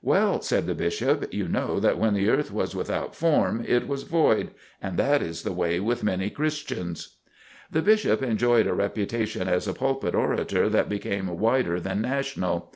"Well," said the Bishop, "you know that when the earth was without form, it was void; and that is the way with many Christians." The Bishop enjoyed a reputation as a pulpit orator that became wider than national.